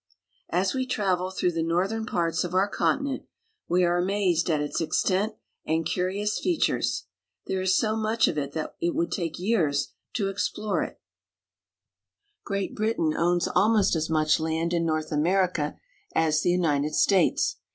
As we travel through the northern parts of our continent we are amazed at its extent and curious features. There is so much of it that it would take years to explore it. 3IO BRITISH AMERICA. 1 Great Britain owns almost as much land in North Amer ica as the United States.